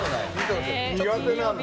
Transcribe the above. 苦手なんだ。